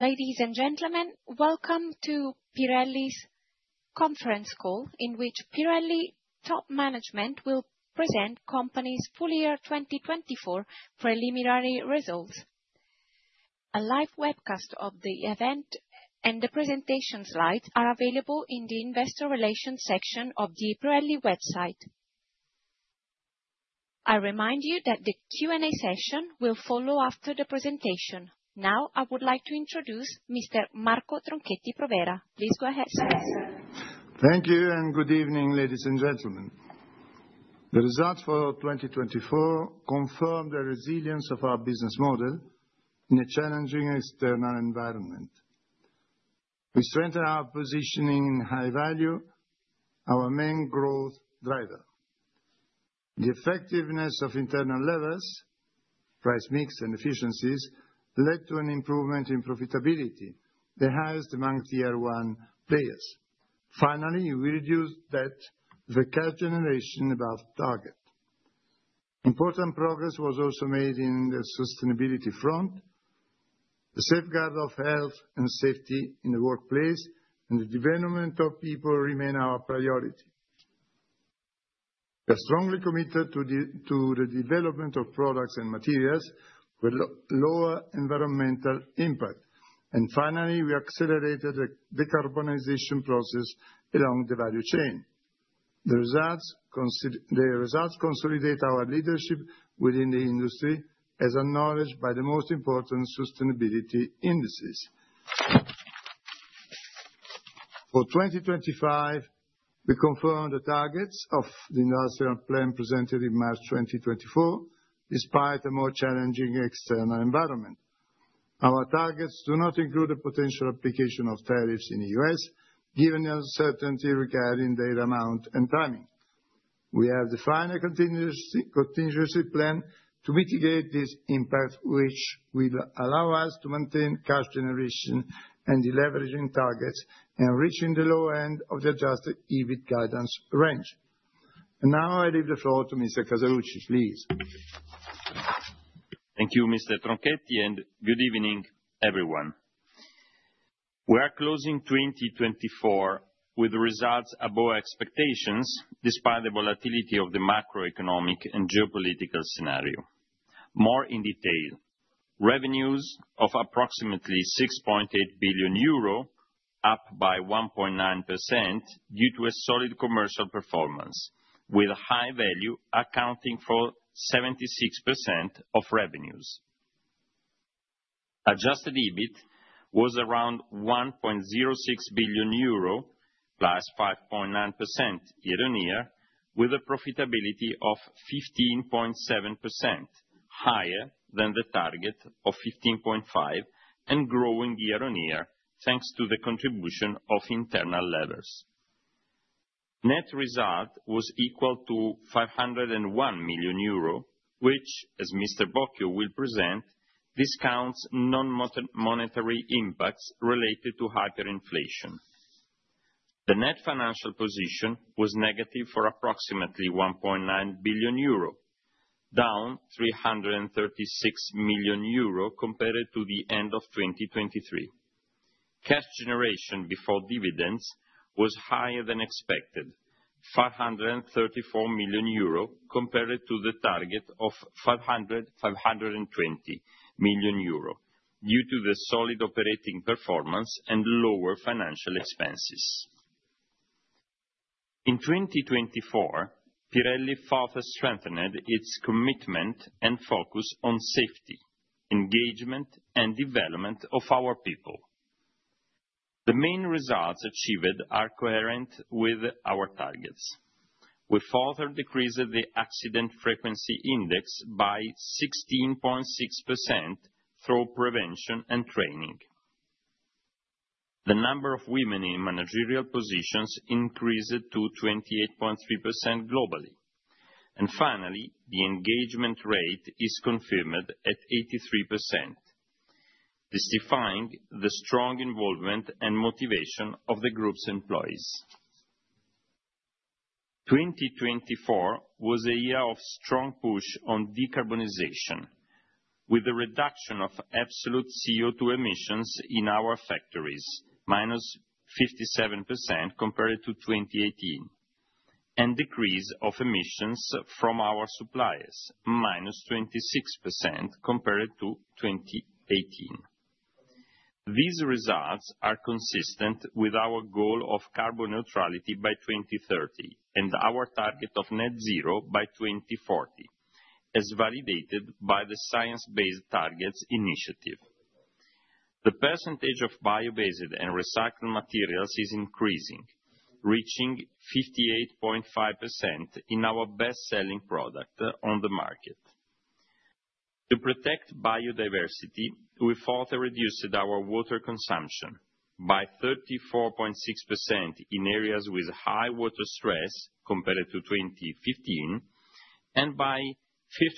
Ladies and gentlemen, welcome to Pirelli's Conference Call in which Pirelli top management will present company's full year 2024 preliminary results. A live webcast of the event and the presentation slides are available in the investor relations section of the Pirelli website. I remind you that the Q&A session will follow after the presentation. Now, I would like to introduce Mr. Marco Tronchetti Provera. Please go ahead, sir. Thank you and good evening, ladies and gentlemen. The results for 2024 confirm the resilience of our business model in a challenging external environment. We strengthen our positioning in High Value, our main growth driver. The effectiveness of internal levers, price mix and efficiencies led to an improvement in profitability, the highest among Tier 1 players. Finally, we reduced debt for cash generation above target. Important progress was also made in the sustainability front. The safeguard of health and safety in the workplace and the development of people remain our priority. We are strongly committed to the development of products and materials with lower environmental impact, and finally, we accelerated the decarbonization process along the value chain. The results consolidate our leadership within the industry as acknowledged by the most important sustainability indices. For 2025, we confirmed the targets of the industrial plan presented in March 2024, despite a more challenging external environment. Our targets do not include the potential application of tariffs in the U.S., given the uncertainty regarding their amount and timing. We have defined a contingency plan to mitigate this impact, which will allow us to maintain cash generation and the leveraging targets, enriching the lower end of the Adjusted EBIT guidance range. And now I leave the floor to Mr. Casaluci, please. Thank you, Mr. Tronchetti, and good evening, everyone. We are closing 2024 with results above expectations, despite the volatility of the macroeconomic and geopolitical scenario. More in detail, revenues of approximately 6.8 billion euro, up by 1.9% due to a solid commercial performance, with High Value accounting for 76% of revenues. Adjusted EBIT was around 1.06 billion euro, plus 5.9% year-on-year, with a profitability of 15.7%, higher than the target of 15.5% and growing year-on-year thanks to the contribution of internal levers. Net result was equal to 501 million euro, which, as Mr. Bocchio will present, discounts non-monetary impacts related to hyperinflation. The net financial position was negative for approximately 1.9 billion euro, down 336 million euro compared to the end of 2023. Cash generation before dividends was higher than expected, 534 million euro compared to the target of 520 million euro due to the solid operating performance and lower financial expenses. In 2024, Pirelli further strengthened its commitment and focus on safety, engagement, and development of our people. The main results achieved are coherent with our targets. We further decreased the Accident Frequency Index by 16.6% through prevention and training. The number of women in managerial positions increased to 28.3% globally, and finally, the engagement rate is confirmed at 83%, justifying the strong involvement and motivation of the group's employees. 2024 was a year of strong push on decarbonization, with a reduction of absolute CO2 emissions in our factories, minus 57% compared to 2018, and a decrease of emissions from our suppliers, minus 26% compared to 2018. These results are consistent with our goal of carbon neutrality by 2030 and our target of Net Zero by 2040, as validated by the Science Based Targets initiative. The percentage of bio-based and recycled materials is increasing, reaching 58.5% in our best-selling product on the market. To protect biodiversity, we further reduced our water consumption by 34.6% in areas with high water stress compared to 2015, and by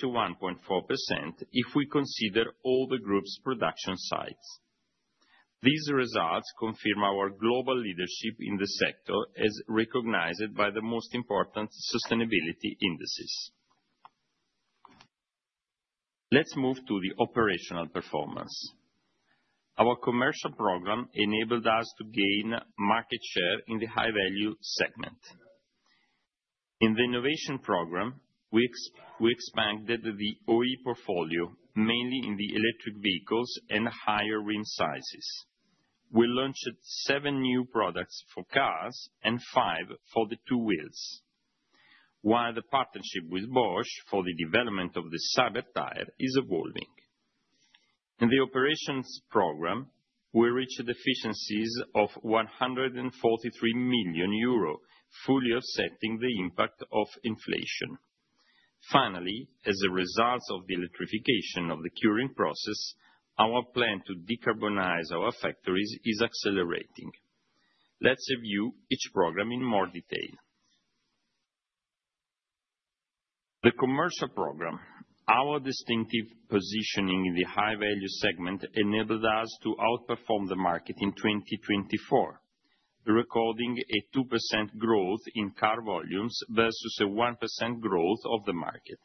51.4% if we consider all the group's production sites. These results confirm our global leadership in the sector, as recognized by the most important sustainability indices. Let's move to the operational performance. Our Commercial Program enabled us to gain market share in the High Value segment. In the innovation program, we expanded the OE portfolio, mainly in the electric vehicles and higher rim sizes. We launched seven new products for cars and five for the two wheels, while the partnership with Bosch for the development of the Cyber Tyre is evolving. In the Operations Program, we reached efficiencies of 143 million euro, fully offsetting the impact of inflation. Finally, as a result of the electrification of the curing process, our plan to decarbonize our factories is accelerating. Let's review each program in more detail. The Commercial Program, our distinctive positioning in the High Value segment, enabled us to outperform the market in 2024, recording a 2% growth in car volumes versus a 1% growth of the market.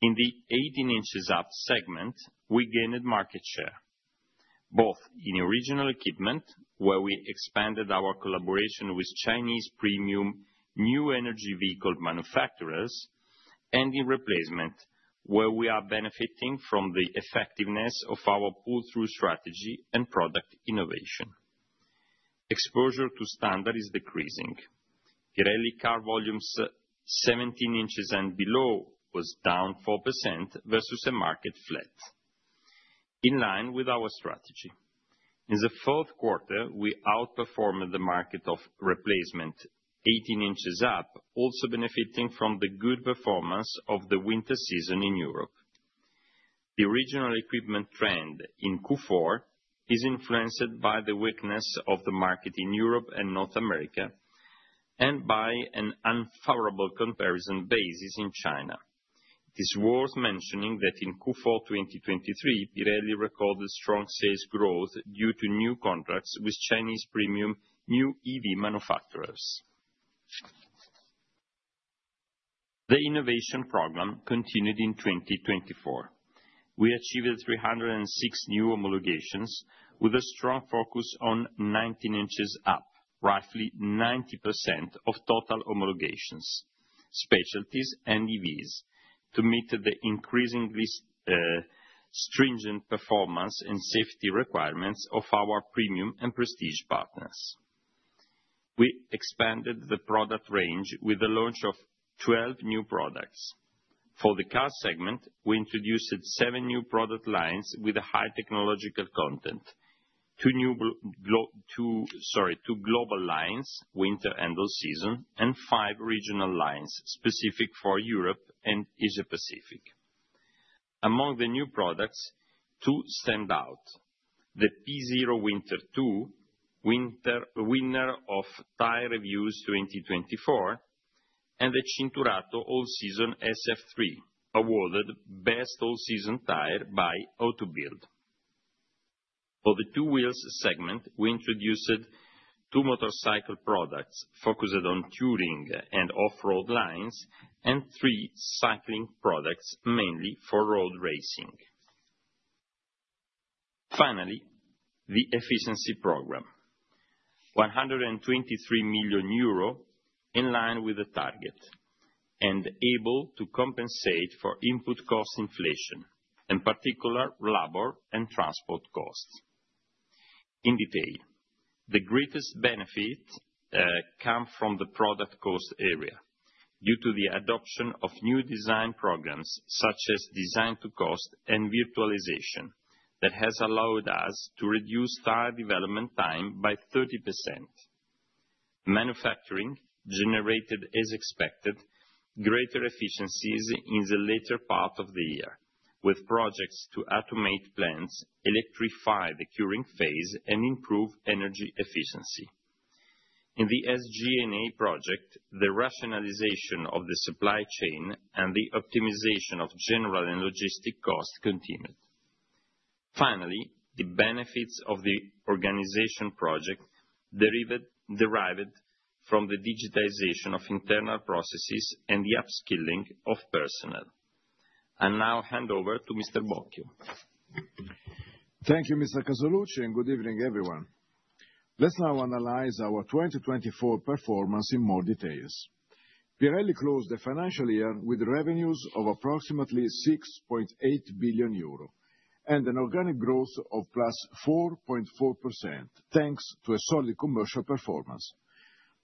In the 18 inches up segment, we gained market share, both in original equipment, where we expanded our collaboration with Chinese premium New Energy Vehicle manufacturers, and in replacement, where we are benefiting from the effectiveness of our pull-through strategy and product innovation. Exposure to standards is decreasing. Pirelli car volumes 17 inches and below was down 4% versus a market flat, in line with our strategy. In the fourth quarter, we outperformed the market of replacement 18 inches up, also benefiting from the good performance of the winter season in Europe. The original equipment trend in Q4 is influenced by the weakness of the market in Europe and North America and by an unfavorable comparison basis in China. It is worth mentioning that in Q4 2023, Pirelli recorded strong sales growth due to new contracts with Chinese premium New EV manufacturers. The innovation program continued in 2024. We achieved 306 new homologations with a strong focus on 19 inches up, roughly 90% of total homologations, specialties, and EVs, to meet the increasingly stringent performance and safety requirements of our premium and prestige partners. We expanded the product range with the launch of 12 new products. For the car segment, we introduced seven new product lines with a high technological content, two global lines, Winter and All-season, and five regional lines specific for Europe and Asia-Pacific. Among the new products, two stand out: the P ZERO WINTER 2, winner of Tyre Reviews 2024, and the CINTURATO ALL-SEASON SF3, awarded Best All-Season Tyre by Auto Bild. For the two wheels segment, we introduced two motorcycle products focused on touring and off-road lines and three cycling products, mainly for road racing. Finally, the efficiency program, 123 million euro, in line with the target and able to compensate for input cost inflation, in particular labor and transport costs. In detail, the greatest benefit comes from the product cost area due to the adoption of new design programs such as Design to Cost and virtualization that have allowed us to reduce tyre development time by 30%. Manufacturing generated, as expected, greater efficiencies in the later part of the year, with projects to automate plants, electrify the curing phase, and improve energy efficiency. In the SG&A project, the rationalization of the supply chain and the optimization of general and logistic costs continued. Finally, the benefits of the organization project derived from the digitization of internal processes and the upskilling of personnel. I now hand over to Mr. Bocchio. Thank you, Mr. Casaluci, and good evening, everyone. Let's now analyze our 2024 performance in more detail. Pirelli closed the financial year with revenues of approximately 6.8 billion euro and an organic growth of +4.4%, thanks to a solid commercial performance.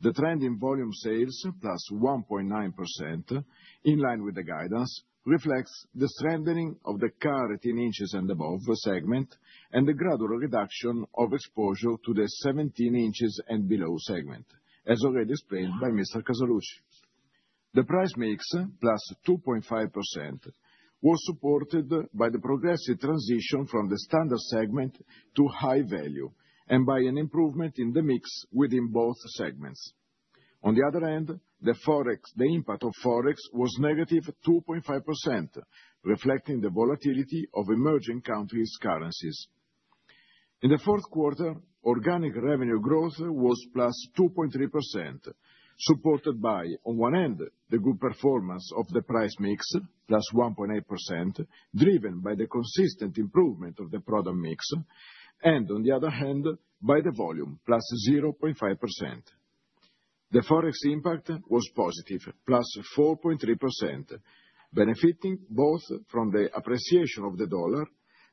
The trend in volume sales, +1.9%, in line with the guidance, reflects the strengthening of the car 18 inches and above segment and the gradual reduction of exposure to the 17 inches and below segment, as already explained by Mr. Casaluci. The price mix, +2.5%, was supported by the progressive transition from the standard segment to High Value and by an improvement in the mix within both segments. On the other hand, the impact of forex was -2.5%, reflecting the volatility of emerging countries' currencies. In the fourth quarter, organic revenue growth was +2.3%, supported by, on one end, the good performance of the Price Mix, +1.8%, driven by the consistent improvement of the product mix, and on the other hand, by the volume, +0.5%. The forex impact was positive, +4.3%, benefiting both from the appreciation of the dollar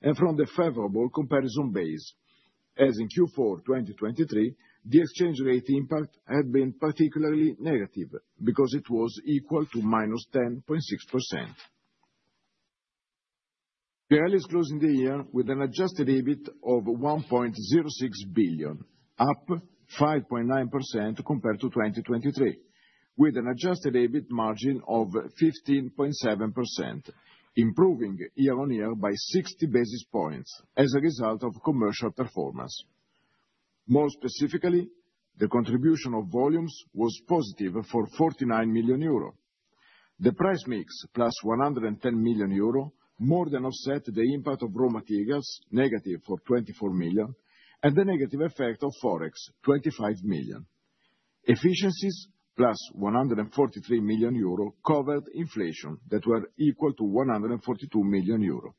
and from the favorable comparison base, as in Q4 2023, the exchange rate impact had been particularly negative because it was equal to -10.6%. Pirelli is closing the year with an Adjusted EBIT of 1.06 billion, up 5.9% compared to 2023, with an Adjusted EBIT margin of 15.7%, improving year-on-year by 60 basis points as a result of commercial performance. More specifically, the contribution of volumes was positive for 49 million euro. The price mix, plus 110 million euro, more than offset the impact of raw materials, negative for 24 million, and the negative effect of forex, 25 million. Efficiencies, +143 million euro, covered inflation that were equal to 142 million euro.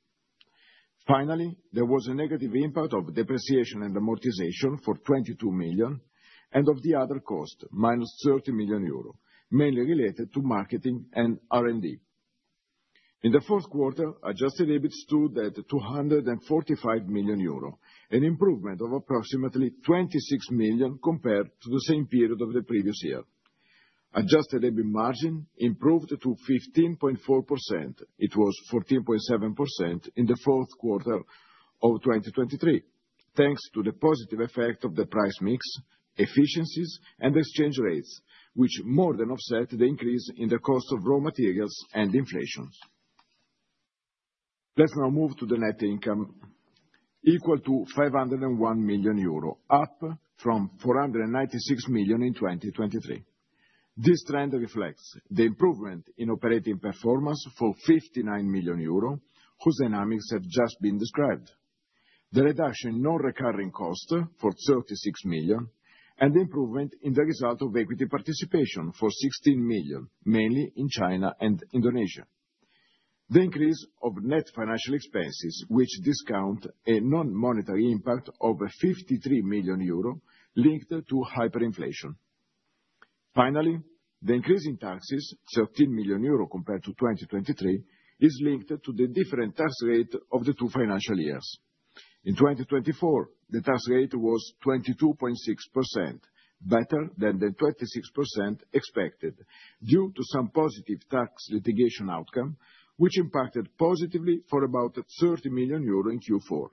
Finally, there was a negative impact of depreciation and amortization for 22 million and of the other cost, -30 million euro, mainly related to marketing and R&D. In the fourth quarter, Adjusted EBIT stood at 245 million euro, an improvement of approximately 26 million compared to the same period of the previous year. Adjusted EBIT margin improved to 15.4%. It was 14.7% in the fourth quarter of 2023, thanks to the positive effect of the price mix, efficiencies, and exchange rates, which more than offset the increase in the cost of raw materials and inflation. Let's now move to the net income, equal to 501 million euro, up from 496 million in 2023. This trend reflects the improvement in operating performance for 59 million euro, whose dynamics have just been described, the reduction in non-recurring costs for 36 million, and the improvement in the result of equity participation for 16 million, mainly in China and Indonesia. The increase of net financial expenses, which discount a non-monetary impact of 53 million euro linked to hyperinflation. Finally, the increase in taxes, 13 million euro compared to 2023, is linked to the different tax rate of the two financial years. In 2024, the tax rate was 22.6%, better than the 26% expected due to some positive tax litigation outcome, which impacted positively for about 30 million euro in Q4.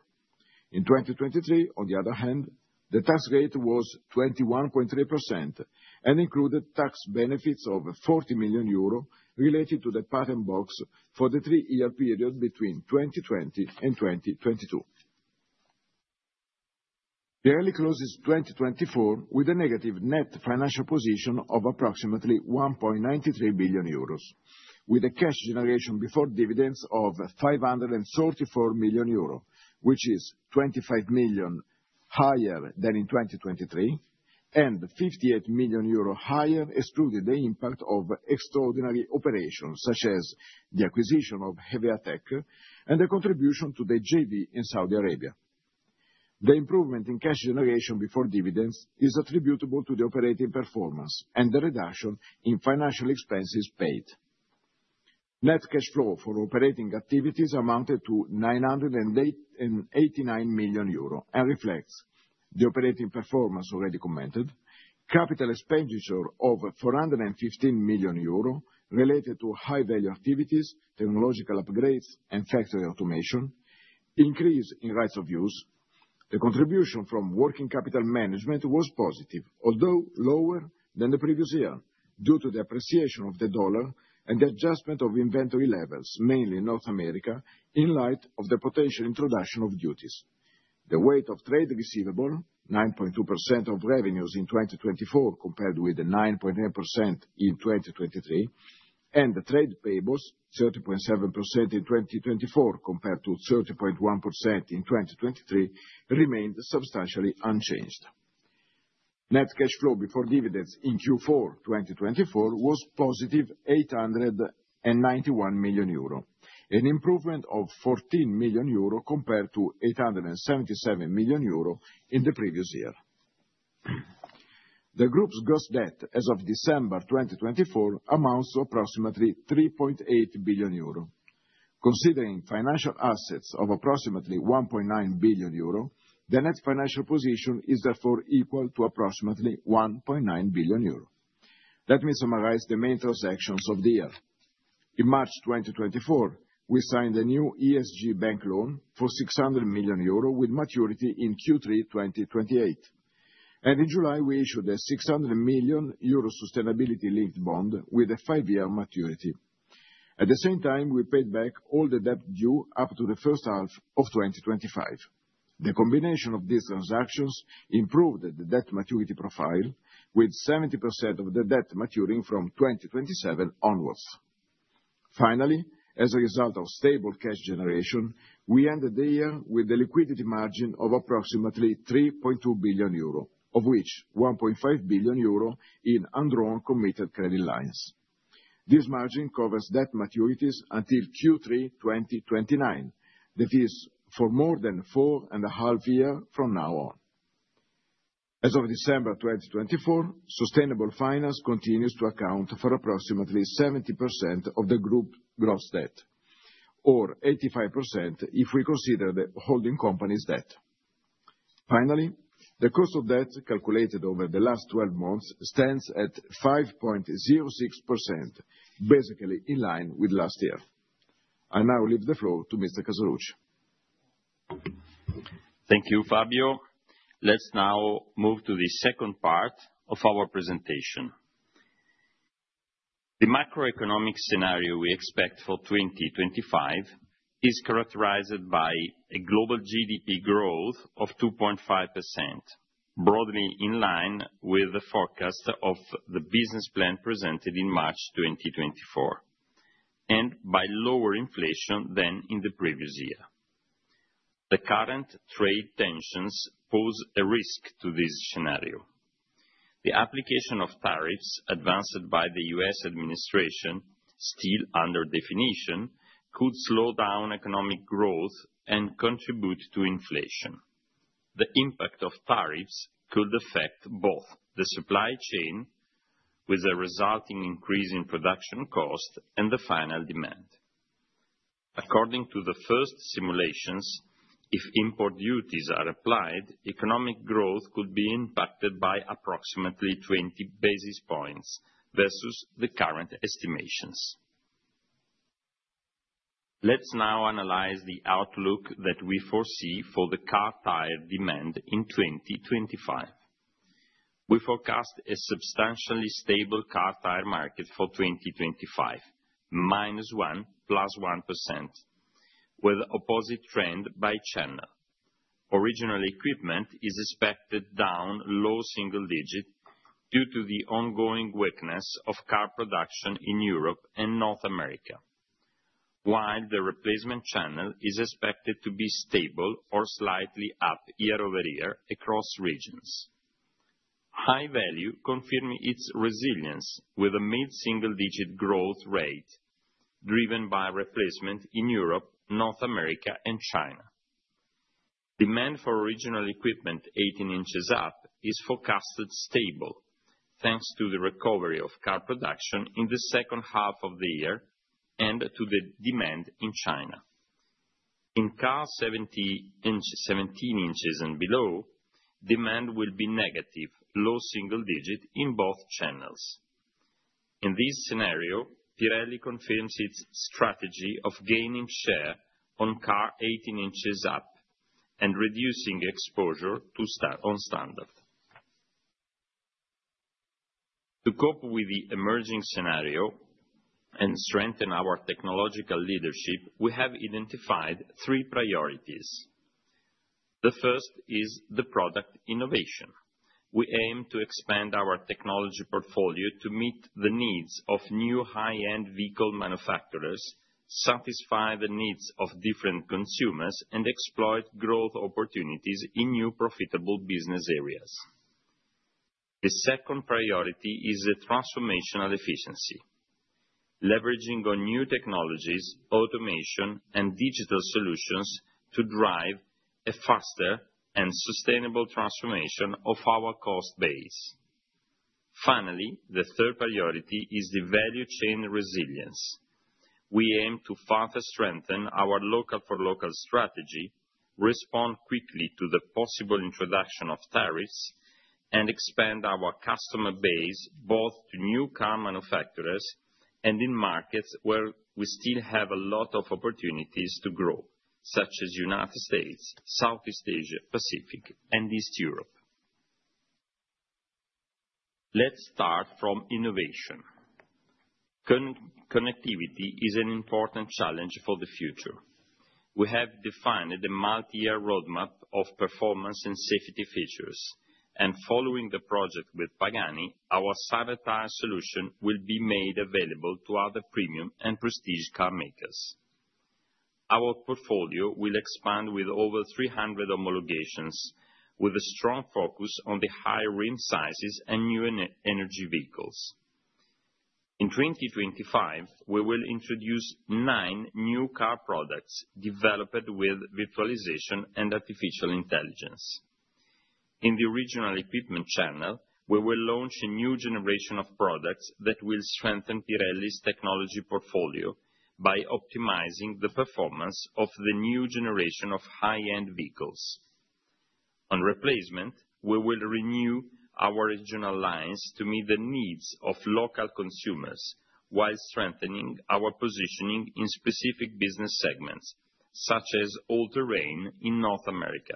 In 2023, on the other hand, the tax rate was 21.3% and included tax benefits of 40 million euro related to the Patent Box for the three-year period between 2020 and 2022. Pirelli closes 2024 with a negative net financial position of approximately 1.93 billion euros, with a cash generation before dividends of 534 million euros, which is 25 million higher than in 2023, and 58 million euro higher excluding the impact of extraordinary operations, such as the acquisition of Hevea-Tec and the contribution to the JV in Saudi Arabia. The improvement in cash generation before dividends is attributable to the operating performance and the reduction in financial expenses paid. Net cash flow for operating activities amounted to 989 million euro and reflects the operating performance already commented, capital expenditure of 415 million euro related to High Value activities, technological upgrades, and factory automation, increase in rights of use. The contribution from working capital management was positive, although lower than the previous year due to the appreciation of the dollar and the adjustment of inventory levels, mainly in North America, in light of the potential introduction of duties. The weight of trade receivable, 9.2% of revenues in 2024 compared with the 9.8% in 2023, and the trade payables, 30.7% in 2024 compared to 30.1% in 2023, remained substantially unchanged. Net cash flow before dividends in Q4 2024 was positive 891 million euro, an improvement of 14 million euro compared to 877 million euro in the previous year. The group's gross debt as of December 2024 amounts to approximately 3.8 billion euro. Considering financial assets of approximately 1.9 billion euro, the net financial position is therefore equal to approximately 1.9 billion euro. Let me summarize the main transactions of the year. In March 2024, we signed a new ESG bank loan for 600 million euro with maturity in Q3 2028, and in July, we issued a 600 million euro sustainability-linked bond with a five-year maturity. At the same time, we paid back all the debt due up to the first half of 2025. The combination of these transactions improved the debt maturity profile, with 70% of the debt maturing from 2027 onwards. Finally, as a result of stable cash generation, we ended the year with a liquidity margin of approximately 3.2 billion euro, of which 1.5 billion euro in un-drawn committed credit lines. This margin covers debt maturities until Q3 2029, that is, for more than four and a half years from now on. As of December 2024, sustainable finance continues to account for approximately 70% of the group gross debt, or 85% if we consider the holding company's debt. Finally, the cost of debt calculated over the last 12 months stands at 5.06%, basically in line with last year. I now leave the floor to Mr. Casaluci. Thank you, Fabio. Let's now move to the second part of our presentation. The macroeconomic scenario we expect for 2025 is characterized by a global GDP growth of 2.5%, broadly in line with the forecast of the business plan presented in March 2024, and by lower inflation than in the previous year. The current trade tensions pose a risk to this scenario. The application of tariffs advanced by the U.S. administration, still under definition, could slow down economic growth and contribute to inflation. The impact of tariffs could affect both the supply chain, with a resulting increase in production cost and the final demand. According to the first simulations, if import duties are applied, economic growth could be impacted by approximately 20 basis points versus the current estimations. Let's now analyze the outlook that we foresee for the car tyre demand in 2025. We forecast a substantially stable car tyre market for 2025, -1% to +1%, with opposite trend by channel. Original Equipment is expected down low single digit due to the ongoing weakness of car production in Europe and North America, while the Replacement channel is expected to be stable or slightly up year-over-year across regions. High Value confirming its resilience with a mid-single digit growth rate driven by Replacement in Europe, North America, and China. Demand for Original Equipment 18 inches up is forecasted stable, thanks to the recovery of car production in the second half of the year and to the demand in China. In cars 17 inches and below, demand will be negative, low single digit in both channels. In this scenario, Pirelli confirms its strategy of gaining share on car 18 inches up and reducing exposure to non-Standard. To cope with the emerging scenario and strengthen our technological leadership, we have identified three priorities. The first is the product innovation. We aim to expand our technology portfolio to meet the needs of new high-end vehicle manufacturers, satisfy the needs of different consumers, and exploit growth opportunities in new profitable business areas. The second priority is the transformational efficiency, leveraging on new technologies, automation, and digital solutions to drive a faster and sustainable transformation of our cost base. Finally, the third priority is the value chain resilience. We aim to further strengthen our local-for-local strategy, respond quickly to the possible introduction of tariffs, and expand our customer base both to new car manufacturers and in markets where we still have a lot of opportunities to grow, such as the United States, Southeast Asia, Pacific, and Eastern Europe. Let's start from innovation. Connectivity is an important challenge for the future. We have defined a multi-year roadmap of performance and safety features, and following the project with Pagani, our Cyber Tyre solution will be made available to other premium and prestige car makers. Our portfolio will expand with over 300 homologations, with a strong focus on the high rim sizes and New Energy Vehicles. In 2025, we will introduce nine new car products developed with virtualization and artificial intelligence. In the Original Equipment channel, we will launch a new generation of products that will strengthen Pirelli's technology portfolio by optimizing the performance of the new generation of high-end vehicles. On replacement, we will renew our regional lines to meet the needs of local consumers while strengthening our positioning in specific business segments, such as all-terrain in North America.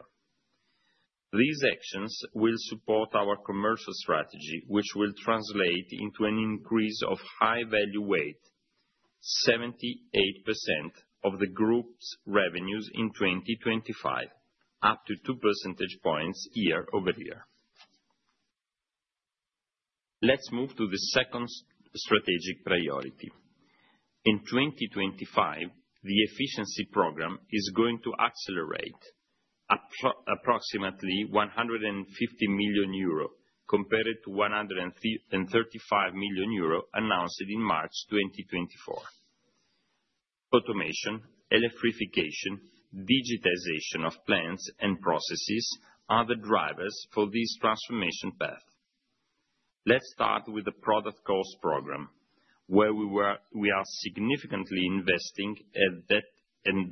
These actions will support our Commercial strategy, which will translate into an increase of High Value weight, 78% of the group's revenues in 2025, up to 2 percentage points year-over-year. Let's move to the second strategic priority. In 2025, the efficiency program is going to accelerate approximately 150 million euro compared to 135 million euro announced in March 2024. Automation, electrification, digitization of plants and processes are the drivers for this transformation path. Let's start with the Product Cost program, where we are significantly investing and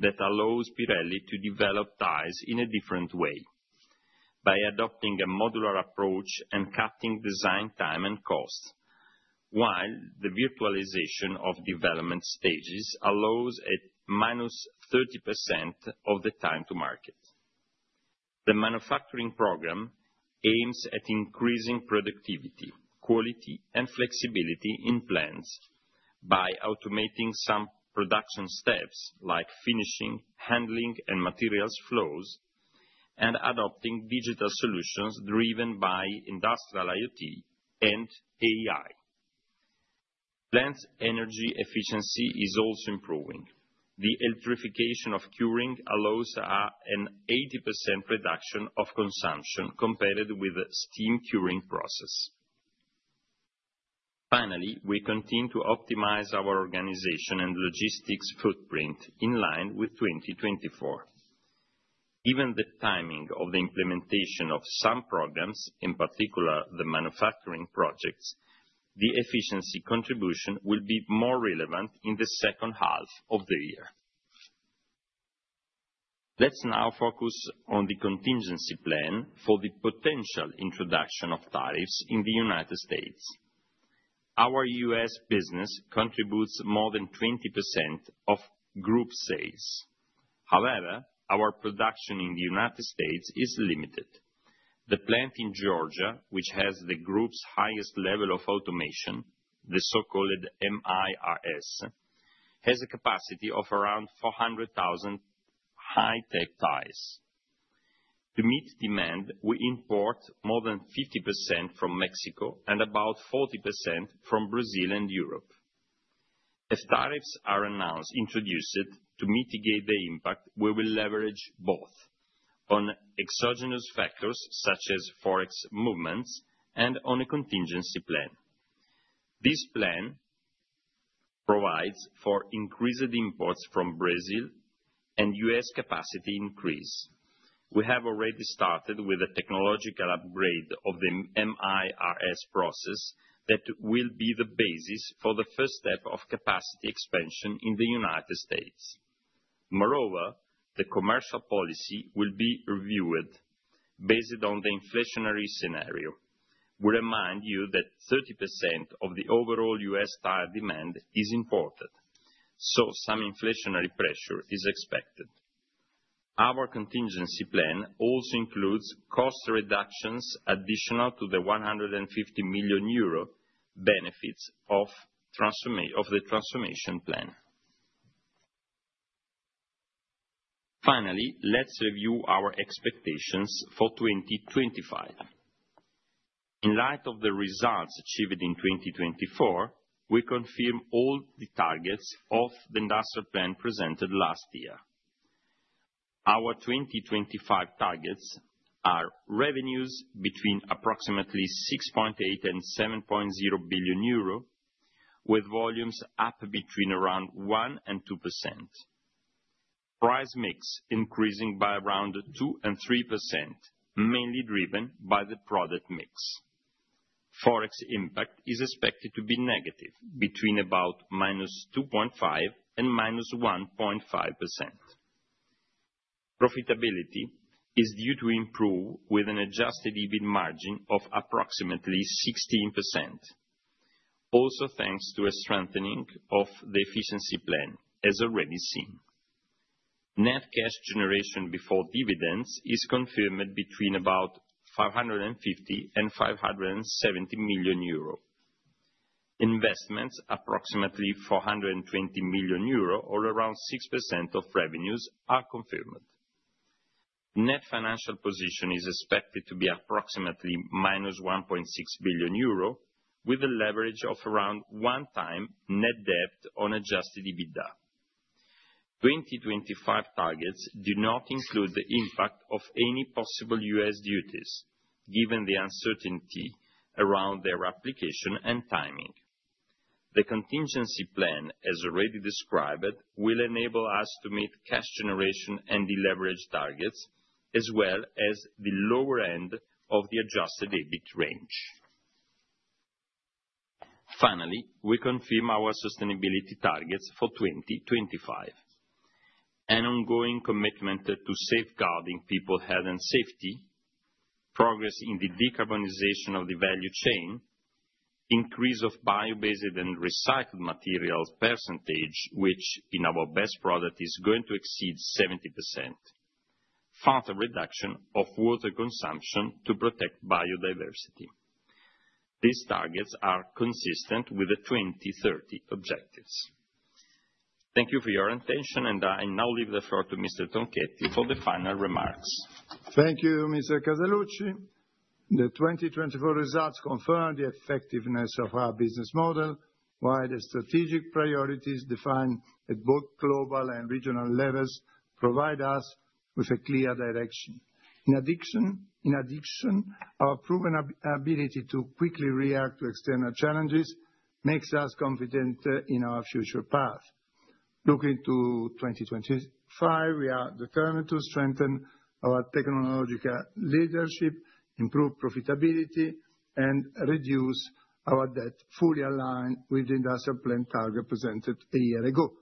that allows Pirelli to develop tyres in a different way by adopting a modular approach and cutting design time and cost, while the virtualization of development stages allows a -30% of the time to market. The Manufacturing program aims at increasing productivity, quality, and flexibility in plants by automating some production steps like finishing, handling, and materials flows, and adopting digital solutions driven by industrial IoT and AI. Plants' energy efficiency is also improving. The electrification of curing allows an 80% reduction of consumption compared with the steam curing process. Finally, we continue to optimize our organization and logistics footprint in line with 2024. Given the timing of the implementation of some programs, in particular the manufacturing projects, the efficiency contribution will be more relevant in the second half of the year. Let's now focus on the contingency plan for the potential introduction of tariffs in the United States. Our U.S. business contributes more than 20% of group sales. However, our production in the United States is limited. The plant in Georgia, which has the group's highest level of automation, the so-called MIRS, has a capacity of around 400,000 high tech tyres. To meet demand, we import more than 50% from Mexico and about 40% from Brazil and Europe. If tariffs are announced or introduced to mitigate the impact, we will leverage both on exogenous factors such as forex movements and on a contingency plan. This plan provides for increased imports from Brazil and US capacity increase. We have already started with a technological upgrade of the MIRS process that will be the basis for the first step of capacity expansion in the United States. Moreover, the commercial policy will be reviewed based on the inflationary scenario. We remind you that 30% of the overall US tyre demand is imported, so some inflationary pressure is expected. Our contingency plan also includes cost reductions additional to the 150 million euro benefits of the transformation plan. Finally, let's review our expectations for 2025. In light of the results achieved in 2024, we confirm all the targets of the industrial plan presented last year. Our 2025 targets are revenues between approximately 6.8 billion and 7.0 billion euro, with volumes up between around 1% and 2%. Price mix increasing by around 2% and 3%, mainly driven by the product mix. Forex impact is expected to be negative between about -2.5% and -1.5%. Profitability is due to improve with an Adjusted EBIT margin of approximately 16%, also thanks to a strengthening of the efficiency plan, as already seen. Net cash generation before dividends is confirmed between about 550 million and 570 million euro. Investments, approximately 420 million euro, or around 6% of revenues, are confirmed. Net Financial Position is expected to be approximately minus 1.6 billion euro, with a leverage of around one time Net Debt on Adjusted EBITDA. 2025 targets do not include the impact of any possible U.S. duties, given the uncertainty around their application and timing. The contingency plan, as already described, will enable us to meet cash generation and the leverage targets, as well as the lower end of the Adjusted EBIT range. Finally, we confirm our sustainability targets for 2025: an ongoing commitment to safeguarding people's health and safety, progress in the decarbonization of the value chain, increase of bio-based and recycled materials percentage, which in our best product is going to exceed 70%, further reduction of water consumption to protect biodiversity. These targets are consistent with the 2030 objectives. Thank you for your attention, and I now leave the floor to Mr. Tronchetti for the final remarks. Thank you, Mr. Casaluci. The 2024 results confirm the effectiveness of our business model, while the strategic priorities defined at both global and regional levels provide us with a clear direction. In addition, our proven ability to quickly react to external challenges makes us confident in our future path. Looking to 2025, we are determined to strengthen our technological leadership, improve profitability, and reduce our debt, fully aligned with the industrial plan target presented a year ago.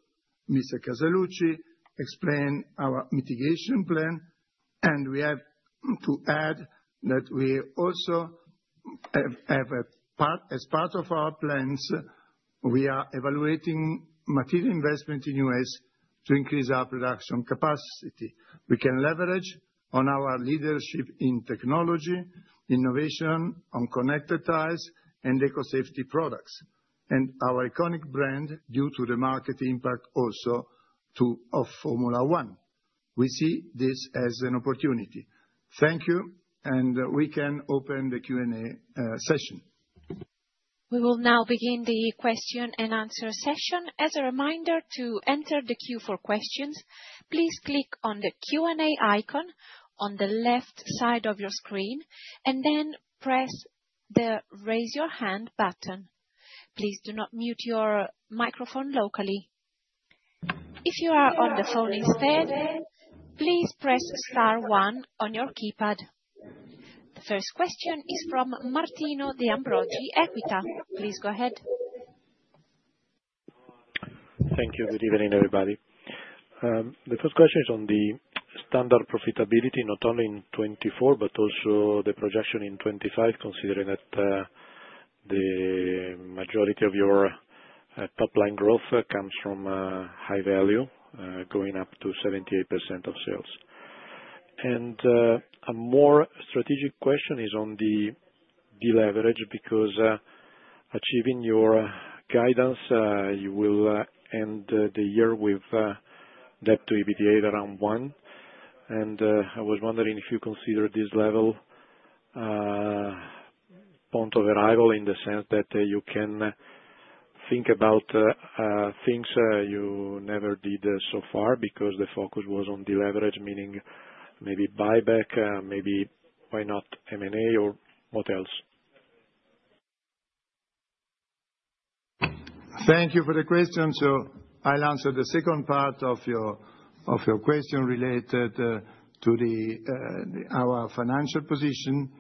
Mr. Casaluci explained our mitigation plan, and we have to add that we also have, as part of our plans, we are evaluating material investment in the US to increase our production capacity. We can leverage on our leadership in technology, innovation on connected tyres and eco-safety products, and our iconic brand, due to the market impact also to Formula 1. We see this as an opportunity. Thank you, and we can open the Q&A session. We will now begin the question and answer session. As a reminder, to enter the queue for questions, please click on the Q&A icon on the left side of your screen and then press the raise your hand button. Please do not mute your microphone locally. If you are on the phone instead, please press star one on your keypad. The first question is from Martino De Ambroggi, EQUITA. Please go ahead. Thank you. Good evening, everybody. The first question is on the Standard profitability, not only in 2024 but also the projection in 2025, considering that the majority of your top-line growth comes from High Value, going up to 78% of sales. And a more strategic question is on the leverage because achieving your guidance, you will end the year with debt to EBITDA around one. And I was wondering if you consider this level point of arrival in the sense that you can think about things you never did so far because the focus was on the leverage, meaning maybe buyback, maybe why not M&A or what else? Thank you for the question. So I'll answer the second part of your question related to our financial position.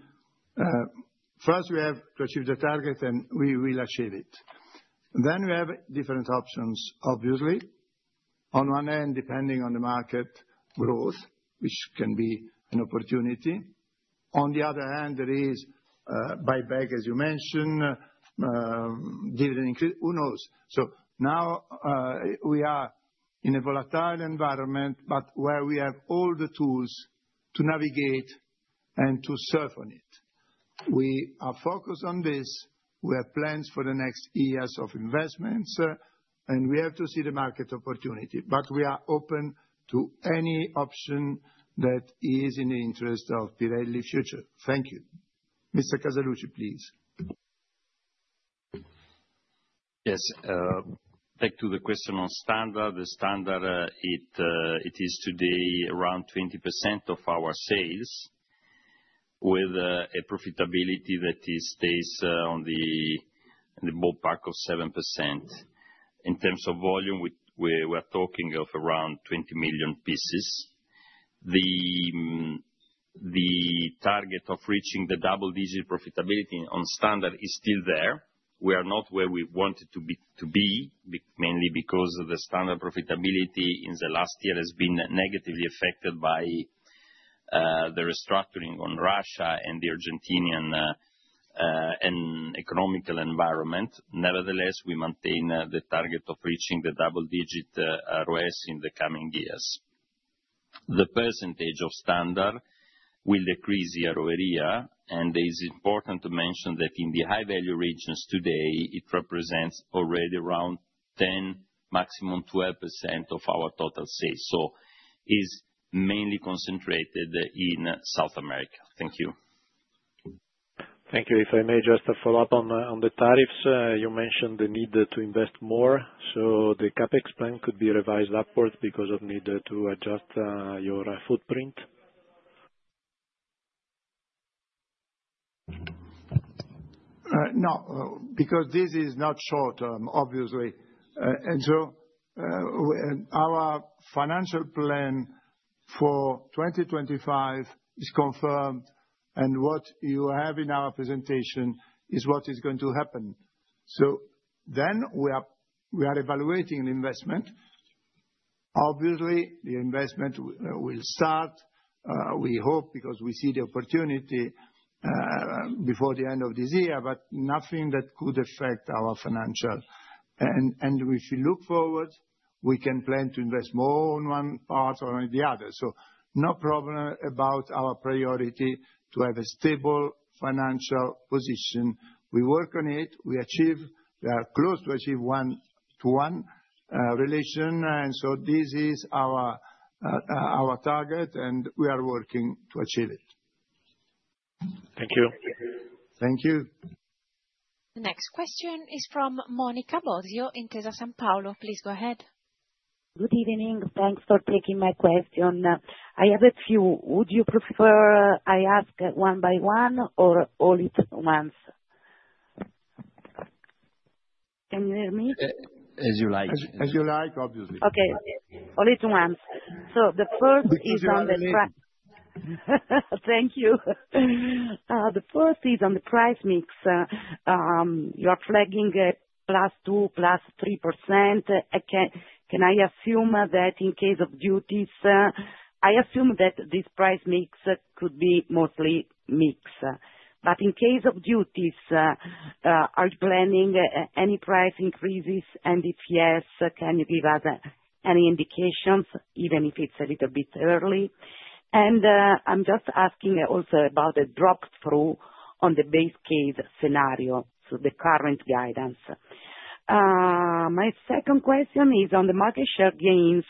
First, we have to achieve the target, and we will achieve it. Then we have different options, obviously. On one end, depending on the market growth, which can be an opportunity. On the other hand, there is buyback, as you mentioned, dividend increase. Who knows? So now we are in a volatile environment, but where we have all the tools to navigate and to serve on it. We are focused on this. We have plans for the next years of investments, and we have to see the market opportunity. But we are open to any option that is in the interest of Pirelli's future. Thank you. Mr. Casaluci, please. Yes. Back to the question on Standard. The Standard, it is today around 20% of our sales, with a profitability that stays in the ballpark of 7%. In terms of volume, we are talking of around 20 million pieces. The target of reaching the double-digit profitability on Standard is still there. We are not where we wanted to be, mainly because the Standard profitability in the last year has been negatively affected by the restructuring in Russia and the Argentine economic environment. Nevertheless, we maintain the target of reaching the double-digit ROS in the coming years. The percentage of Standard will decrease year-over-year, and it is important to mention that in the High Value regions today, it represents already around 10%-12% of our total sales. So it is mainly concentrated in South America. Thank you. Thank you. If I may just follow up on the tariffs, you mentioned the need to invest more. So the CapEx plan could be revised upward because of the need to adjust your footprint? No, because this is not short term, obviously, and so our financial plan for 2025 is confirmed, and what you have in our presentation is what is going to happen, so then we are evaluating the investment. Obviously, the investment will start, we hope, because we see the opportunity before the end of this year, but nothing that could affect our financial, and if we look forward, we can plan to invest more on one part or on the other, so no problem about our priority to have a stable financial position. We work on it. We are close to achieving one-to-one relation, and so this is our target, and we are working to achieve it. Thank you. Thank you. The next question is from Monica Bosio, Intesa Sanpaolo. Please go ahead. Good evening. Thanks for taking my question. I have a few. Would you prefer I ask one by one or all at once? Can you hear me? As you like. As you like, obviously. Okay. All at once. So the first is on the price. Thank you. The first is on the price mix. You are flagging +2%, +3%. Can I assume that in case of duties? I assume that this price mix could be mostly mixed. But in case of duties, are you planning any price increases? And if yes, can you give us any indications, even if it's a little bit early? And I'm just asking also about the drop-through on the base case scenario, so the current guidance. My second question is on the market share gains.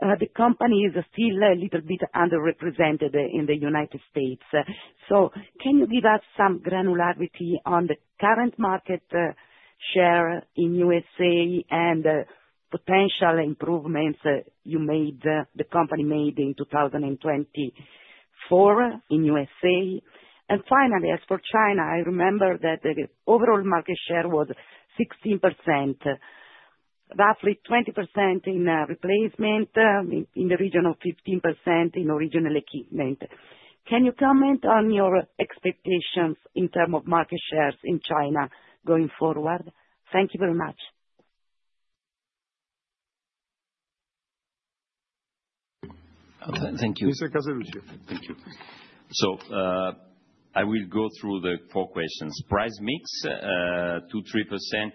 The company is still a little bit underrepresented in the United States. So can you give us some granularity on the current market share in the USA and potential improvements the company made in 2024 in the USA? And finally, as for China, I remember that the overall market share was 16%, roughly 20% in replacement, in the region of 15% in original equipment. Can you comment on your expectations in terms of market shares in China going forward? Thank you very much. Thank you. Mr. Casaluci. Thank you. I will go through the four questions. Price mix, 2%-3%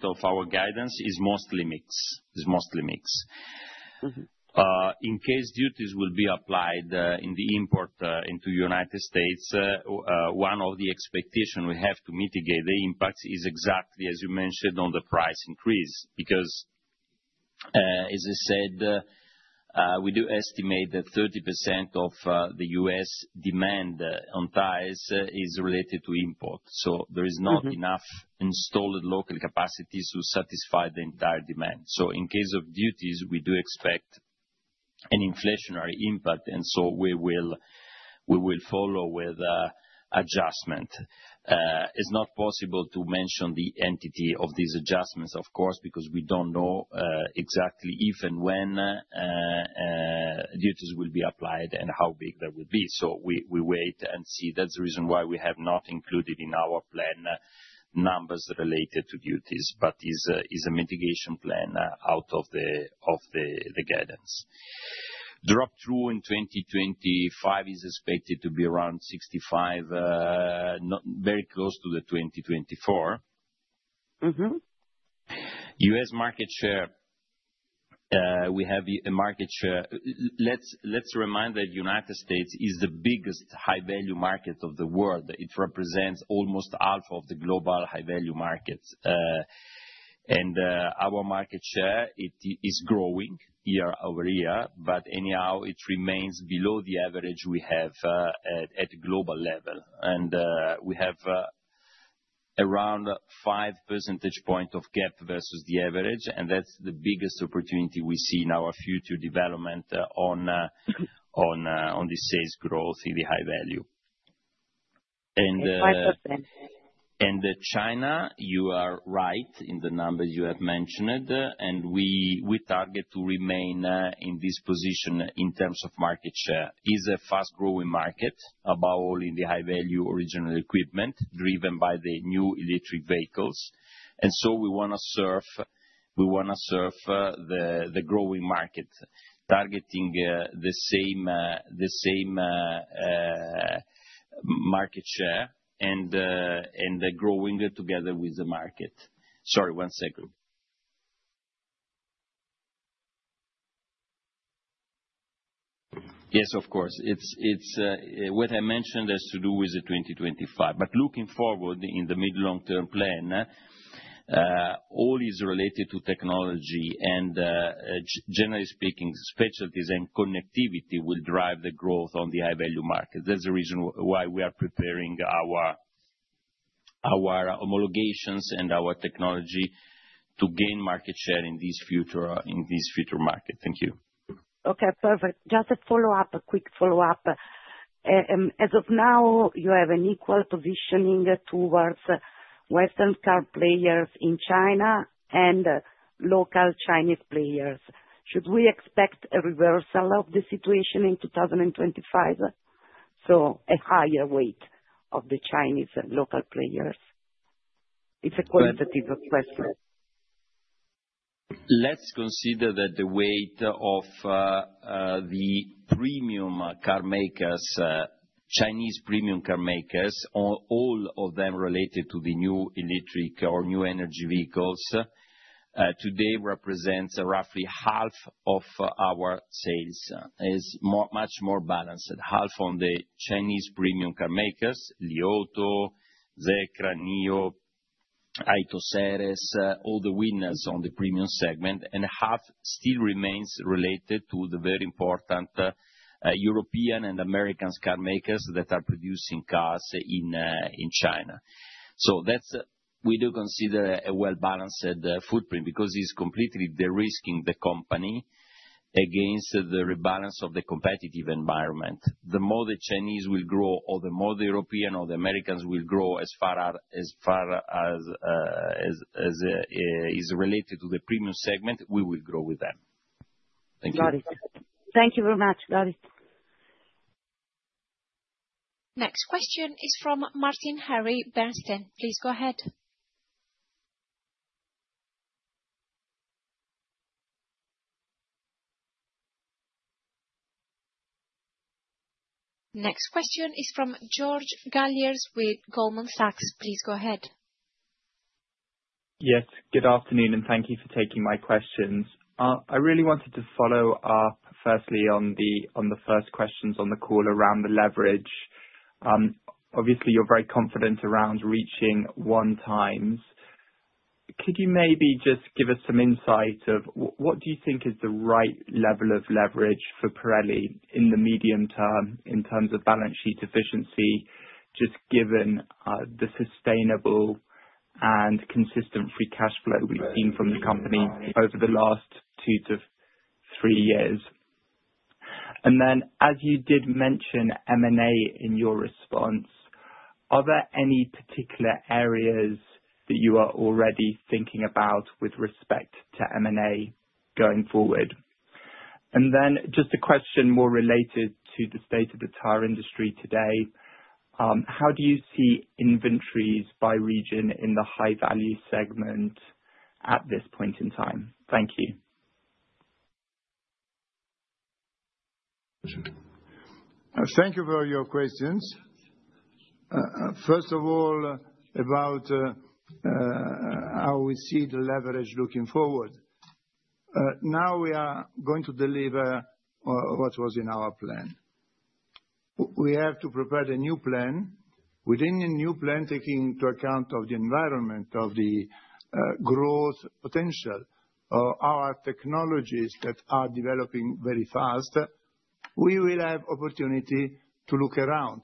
of our guidance is mostly mix. It's mostly mix. In case duties will be applied in the import into the United States, one of the expectations we have to mitigate the impacts is exactly, as you mentioned, on the price increase. Because, as I said, we do estimate that 30% of the U.S. demand on tyres is related to import. There is not enough installed local capacity to satisfy the entire demand. In case of duties, we do expect an inflationary impact, and so we will follow with adjustment. It's not possible to mention the entity of these adjustments, of course, because we don't know exactly if and when duties will be applied and how big they will be. We wait and see. That's the reason why we have not included in our plan numbers related to duties, but it's a mitigation plan out of the guidance. Drop-through in 2025 is expected to be around 65%, very close to the 2024. U.S. market share, we have a market share. Let's remind that the United States is the biggest High Value market of the world. It represents almost half of the global High Value markets. Our market share, it is growing year-over-year, but anyhow, it remains below the average we have at the global level. We have around 5 percentage points of gap versus the average, and that's the biggest opportunity we see in our future development on the sales growth in the High Value. It's 5%. China, you are right in the numbers you have mentioned, and we target to remain in this position in terms of market share. It's a fast-growing market, above all in the High Value original equipment driven by the new electric vehicles, and so we want to serve. We want to serve the growing market, targeting the same market share and growing together with the market. Sorry, one second. Yes, of course. What I mentioned has to do with the 2025, but looking forward in the mid-long-term plan, all is related to technology, and generally speaking, specialties and connectivity will drive the growth on the High Value market. That's the reason why we are preparing our homologations and our technology to gain market share in this future market. Thank you. Okay. Perfect. Just a follow-up, a quick follow-up. As of now, you have an equal positioning towards Western car players in China and local Chinese players. Should we expect a reversal of the situation in 2025? So a higher weight of the Chinese local players? It's a qualitative question. Let's consider that the weight of the premium car makers, Chinese premium car makers, all of them related to the new electric or new energy vehicles, today represents roughly half of our sales. It's much more balanced. Half on the Chinese premium car makers, Li Auto, Zeekr, Nio, AITO Seres, all the winners on the premium segment, and half still remains related to the very important European and American car makers that are producing cars in China. So we do consider a well-balanced footprint because it's completely de-risking the company against the rebalance of the competitive environment. The more the Chinese will grow, or the more the Europeans or the Americans will grow as far as is related to the premium segment, we will grow with them. Thank you. Got it. Thank you very much, got it. Next question is from Martin Harry, Bernstein. Please go ahead. Next question is from George Galliers with Goldman Sachs. Please go ahead. Yes. Good afternoon, and thank you for taking my questions. I really wanted to follow up, firstly, on the first questions on the call around the leverage. Obviously, you're very confident around reaching one times. Could you maybe just give us some insight of what do you think is the right level of leverage for Pirelli in the medium term in terms of balance sheet efficiency, just given the sustainable and consistent free cash flow we've seen from the company over the last two to three years? And then, as you did mention M&A in your response, are there any particular areas that you are already thinking about with respect to M&A going forward? And then just a question more related to the state of the tyre industry today. How do you see inventories by region in the High Value segment at this point in time? Thank you. Thank you for your questions. First of all, about how we see the leverage looking forward. Now we are going to deliver what was in our plan. We have to prepare the new plan. Within the new plan, taking into account the environment of the growth potential, our technologies that are developing very fast, we will have the opportunity to look around.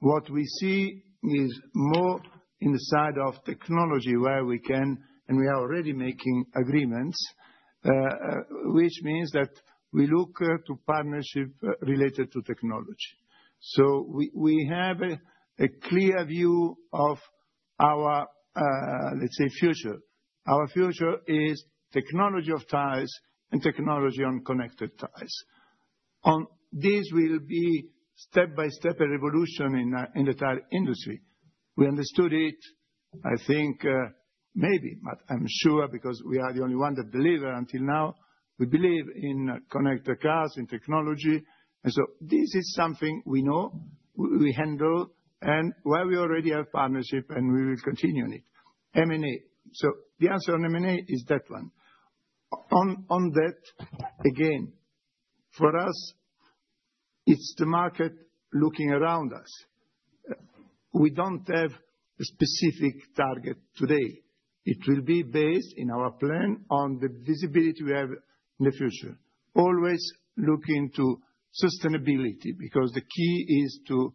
What we see is more inside of technology where we can, and we are already making agreements, which means that we look to partnership related to technology. So we have a clear view of our, let's say, future. Our future is technology of tyres and technology on connected tyres. On this will be step-by-step a revolution in the tyre industry. We understood it, I think, maybe, but I'm sure because we are the only ones that believe it until now. We believe in connected cars, in technology. And so this is something we know, we handle, and where we already have partnership, and we will continue in it. M&A. So the answer on M&A is that one. On that, again, for us, it's the market looking around us. We don't have a specific target today. It will be based in our plan on the visibility we have in the future. Always looking to sustainability because the key is to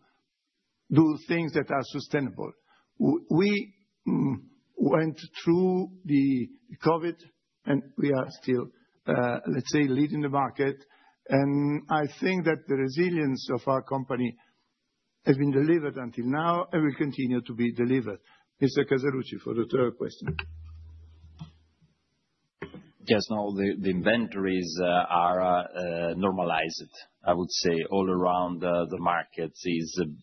do things that are sustainable. We went through the COVID, and we are still, let's say, leading the market. And I think that the resilience of our company has been delivered until now and will continue to be delivered. Mr. Casaluci for the third question. Yes. Now the inventories are normalized, I would say, all around the markets.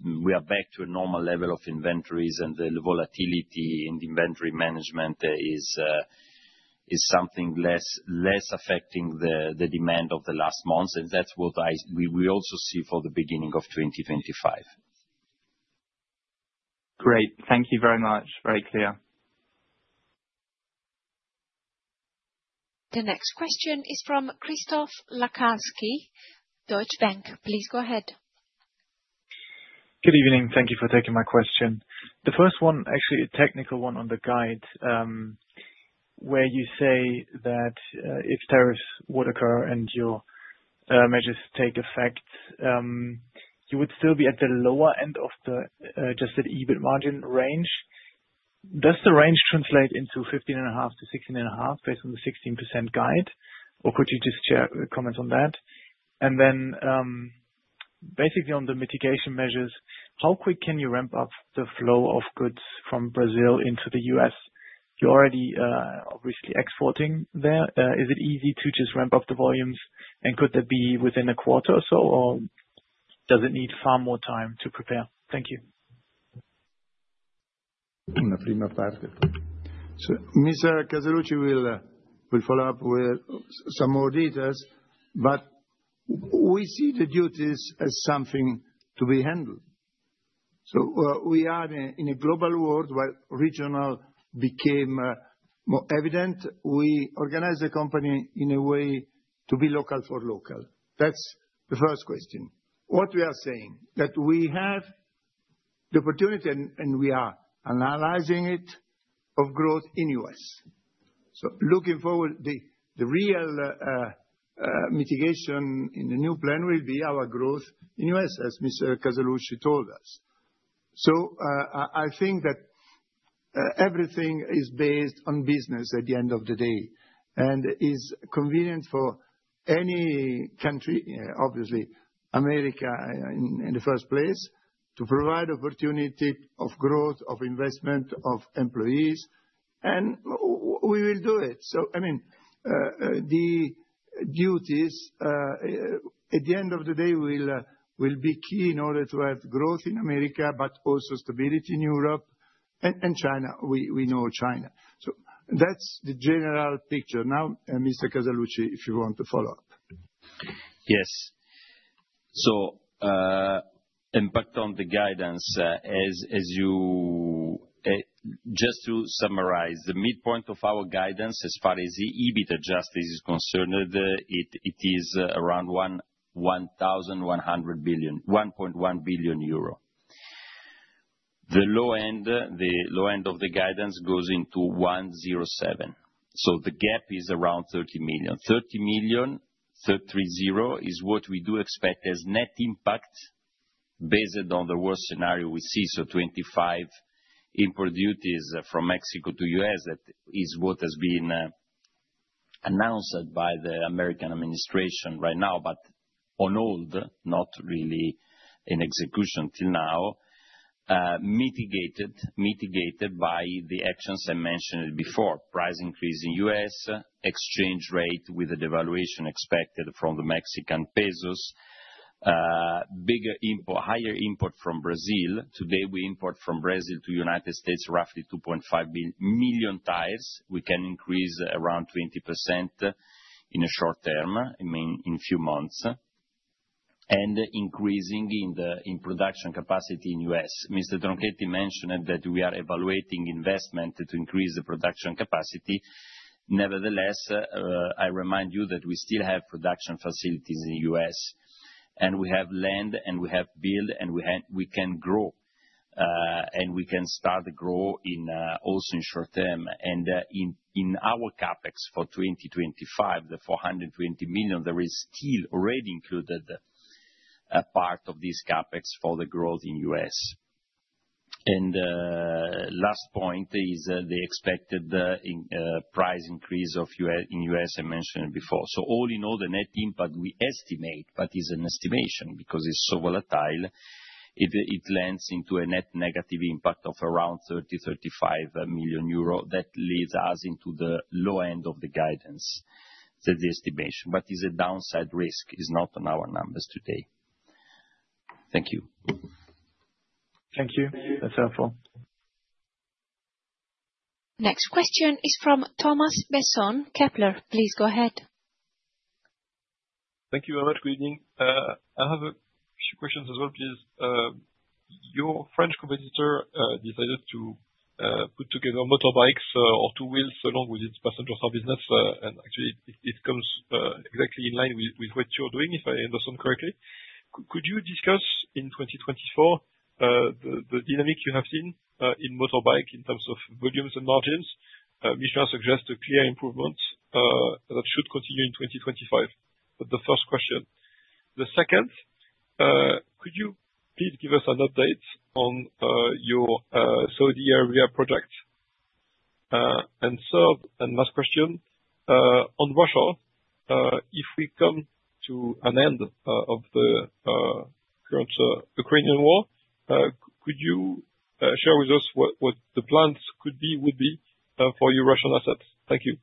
We are back to a normal level of inventories, and the volatility in the inventory management is something less affecting the demand of the last months. And that's what we also see for the beginning of 2025. Great. Thank you very much. Very clear. The next question is from Christoph Laskawi, Deutsche Bank. Please go ahead. Good evening. Thank you for taking my question. The first one, actually a technical one on the guide, where you say that if tariffs would occur and your measures take effect, you would still be at the lower end of just the EBIT margin range. Does the range translate into 15.5% to 16.5% based on the 16% guide? Or could you just comment on that? And then basically on the mitigation measures, how quick can you ramp up the flow of goods from Brazil into the US? You're already obviously exporting there. Is it easy to just ramp up the volumes? And could that be within a quarter or so, or does it need far more time to prepare? Thank you. So Mr. Casaluci will follow up with some more details, but we see the duties as something to be handled. So we are in a global world where regional became more evident. We organize the company in a way to be local for local. That's the first question. What we are saying is that we have the opportunity, and we are analyzing it, of growth in the U.S.. So looking forward, the real mitigation in the new plan will be our growth in the U.S., as Mr. Casaluci told us. So I think that everything is based on business at the end of the day and is convenient for any country, obviously America in the first place, to provide opportunity of growth, of investment, of employees. And we will do it. So I mean, the duties at the end of the day will be key in order to have growth in America, but also stability in Europe and China. We know China. So that's the general picture. Now, Mr. Casaluci, if you want to follow up. Yes. So impact on the guidance, as you just to summarize, the midpoint of our guidance as far as the EBIT adjustment is concerned, it is around 1.1 billion euro. The low end of the guidance goes into 1.07 billion. So the gap is around 30 million. 30 million, 30 million is what we do expect as net impact based on the worst scenario we see. So 25% import duties from Mexico to the U.S., that is what has been announced by the American administration right now, but on hold, not really in execution till now, mitigated by the actions I mentioned before: price increase in the US, exchange rate with a devaluation expected from the Mexican pesos, higher import from Brazil. Today, we import from Brazil to the United States roughly 2.5 million tyres. We can increase around 20% in a short term, in a few months, and increasing in production capacity in the U.S. Mr. Tronchetti mentioned that we are evaluating investment to increase the production capacity. Nevertheless, I remind you that we still have production facilities in the U.S., and we have land, and we have buildings, and we can grow, and we can start to grow also in short term, and in our CapEx for 2025, the 420 million, there is still already included a part of this CapEx for the growth in the U.S. Last point is the expected price increase in the U.S. I mentioned before, so all in all, the net impact we estimate, but it's an estimation because it's so volatile, it lands into a net negative impact of around 30-35 million euro. That leads us into the low end of the guidance. That's the estimation, but it's a downside risk. It's not on our numbers today. Thank you. Thank you. That's helpful. Next question is from Thomas Besson Kepler. Please go ahead. Thank you very much, Gooden. I have a few questions as well, please. Your French competitor decided to put together motorbikes or two-wheeled salon with its passenger car business. And actually, it comes exactly in line with what you're doing, if I understand correctly. Could you discuss in 2024 the dynamic you have seen in motorbike in terms of volumes and margins? Michelin suggests a clear improvement that should continue in 2025. That's the first question. The second, could you please give us an update on your Saudi Arabia project? And third and last question, on Russia, if we come to an end of the current Ukrainian war, could you share with us what the plans could be, would be for your Russian assets? Thank you.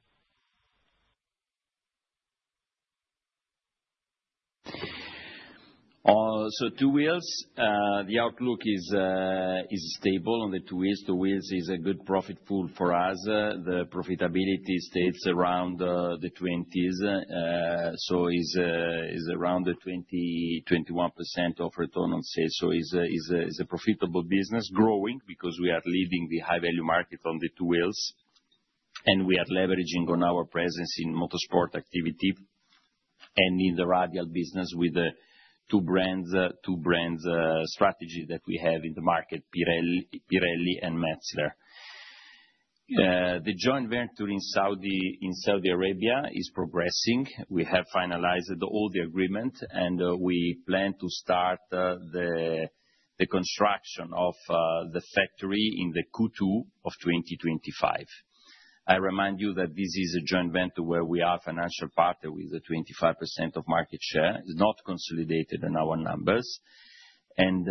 Two wheels, the outlook is stable on the two wheels. Two wheels is a good profit pool for us. The profitability stays around the 20s. It's around the 20%-21% return on sale. It's a profitable business, growing because we are leading the High Value market on the two wheels, and we are leveraging on our presence in motorsport activity and in the radial business with the two-brand strategy that we have in the market, Pirelli and Metzeler. The joint venture in Saudi Arabia is progressing. We have finalized all the agreements, and we plan to start the construction of the factory in the Q2 of 2025. I remind you that this is a joint venture where we are a financial partner with 25% market share. It's not consolidated in our numbers. And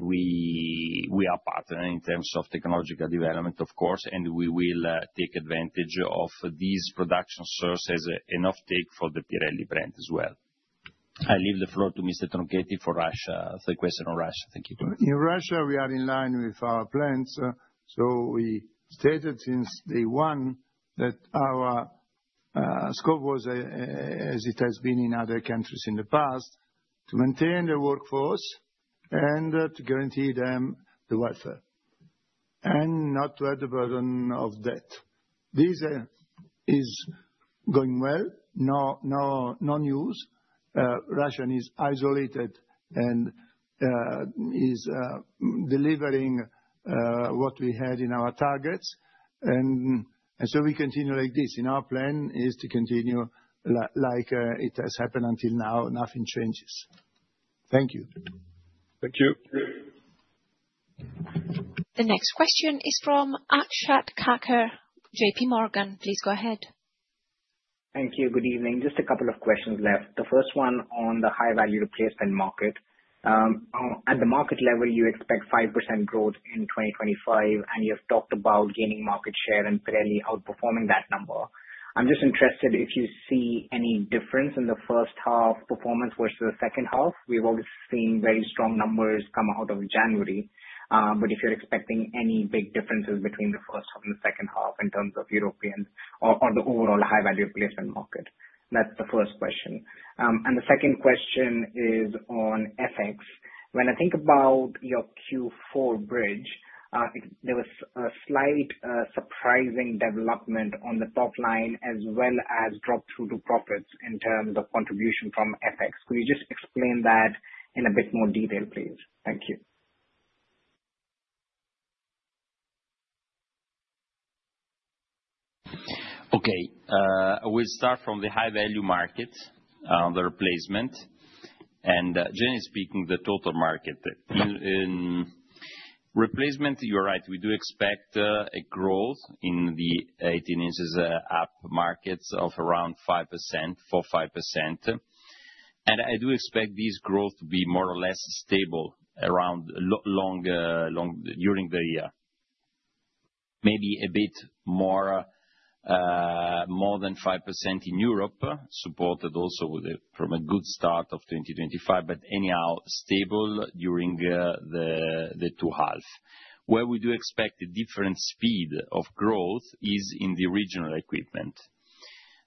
we are partners in terms of technological development, of course, and we will take advantage of these production sources as an offtake for the Pirelli brand as well. I leave the floor to Mr. Tronchetti for the question on Russia. Thank you. In Russia, we are in line with our plans. So we stated since day one that our scope was, as it has been in other countries in the past, to maintain the workforce and to guarantee them the welfare and not to add the burden of debt. This is going well. No news. Russia is isolated and is delivering what we had in our targets. And so we continue like this. Our plan is to continue like it has happened until now. Nothing changes. Thank you. Thank you. The next question is from Akshat Kacker, J.P. Morgan. Please go ahead. Thank you. Good evening. Just a couple of questions left. The first one on the High Value replacement market. At the market level, you expect 5% growth in 2025, and you have talked about gaining market share and Pirelli outperforming that number. I'm just interested if you see any difference in the first half performance versus the second half. We've always seen very strong numbers come out of January. But if you're expecting any big differences between the first half and the second half in terms of Europeans or the overall High Value replacement market, that's the first question. And the second question is on FX. When I think about your Q4 bridge, there was a slight surprising development on the top line as well as drop through to profits in terms of contribution from FX. Could you just explain that in a bit more detail, please? Thank you. Okay. We'll start from the High Value market, the replacement, and generally speaking, the total market. In replacement, you're right. We do expect a growth in the 18 inches up markets of around 4%-5%. And I do expect this growth to be more or less stable around during the year. Maybe a bit more than 5% in Europe, supported also from a good start of 2025, but anyhow stable during the two halves. Where we do expect a different speed of growth is in the Original Equipment,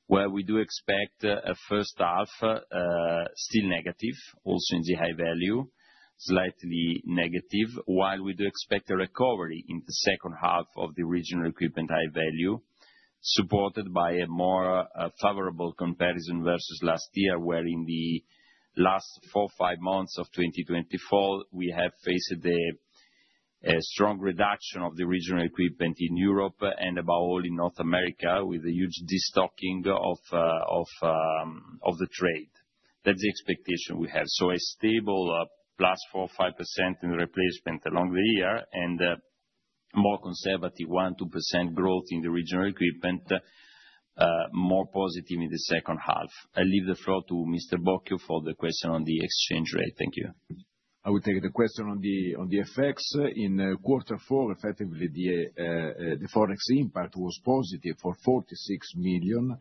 where we do expect a first half still negative, also in the high value, slightly negative, while we do expect a recovery in the second half of the Original Equipment High Value, supported by a more favorable comparison versus last year, where in the last four, five months of 2024, we have faced a strong reduction of the Original Equipment in Europe and above all in North America with a huge destocking of the trade. That's the expectation we have. So a stable plus 4%, 5% in the replacement along the year and more conservative 1%, 2% growth in the Original Equipment, more positive in the second half. I leave the floor to Mr. Bocchio for the question on the exchange rate. Thank you. I would take the question on the FX. In quarter four, effectively, the forex impact was positive for 46 million,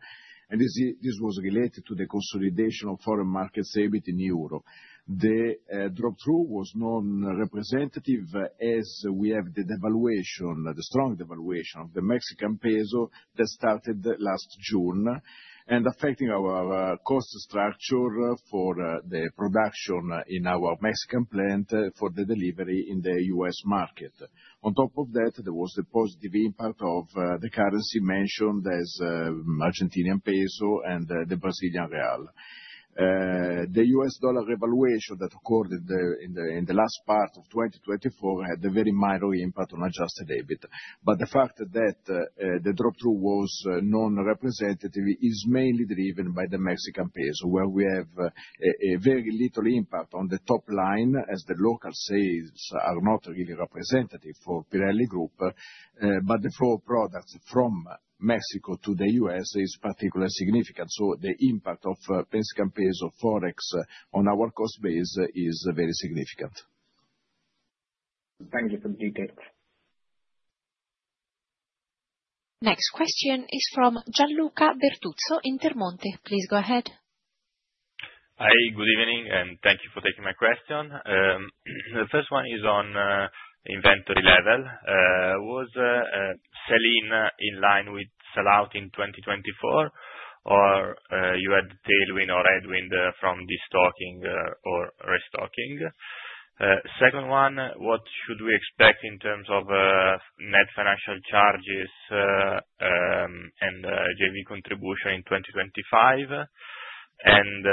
and this was related to the consolidation of foreign markets EBIT in Europe. The drop through was non-representative as we have the devaluation, the strong devaluation of the Mexican peso that started last June and affecting our cost structure for the production in our Mexican plant for the delivery in the U.S. market. On top of that, there was the positive impact of the currency mentioned as Argentine peso and the Brazilian real. The US dollar revaluation that occurred in the last part of 2024 had a very minor impact on adjusted EBIT. But the fact that the drop through was non-representative is mainly driven by the Mexican peso, where we have a very little impact on the top line, as the local sales are not really representative for Pirelli Group. But the flow of products from Mexico to the U.S. is particularly significant. So the impact of Mexican peso forex on our cost base is very significant. Thank you for the details. Next question is from Gianluca Bertuzzo, Intermonte. Please go ahead. Hi, good evening, and thank you for taking my question. The first one is on inventory level. Was sales in line with sellout in 2024, or you had tailwind or headwind from destocking or restocking? Second one, what should we expect in terms of net financial charges and JV contribution in 2025? And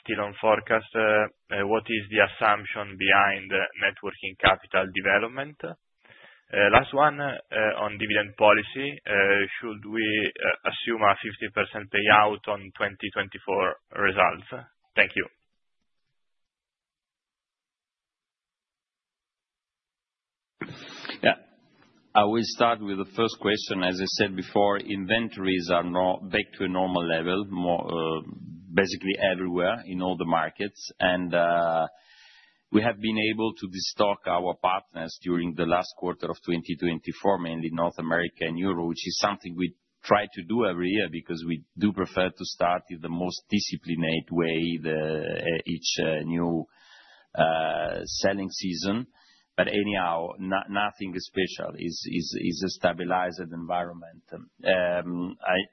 still on forecast, what is the assumption behind net working capital development? Last one on dividend policy. Should we assume a 50% payout on 2024 results? Thank you. Yeah. I will start with the first question. As I said before, inventories are now back to a normal level, basically everywhere in all the markets, and we have been able to destock our partners during the last quarter of 2024, mainly North America and Europe, which is something we try to do every year because we do prefer to start in the most disciplined way each new selling season. But anyhow, nothing special. It's a stabilized environment.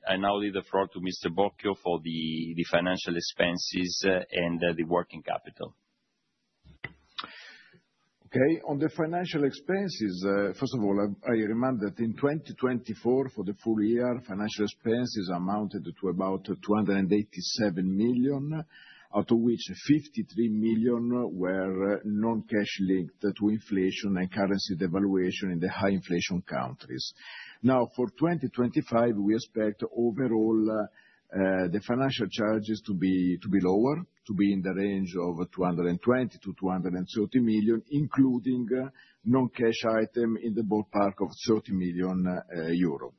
I now leave the floor to Mr. Bocchio for the financial expenses and the working capital. Okay. On the financial expenses, first of all, I remind that in 2024, for the full year, financial expenses amounted to about 287 million, out of which 53 million were non-cash linked to inflation and currency devaluation in the high-inflation countries. Now, for 2025, we expect overall the financial charges to be lower, to be in the range of 220 million-230 million, including non-cash items in the ballpark of 30 million euro.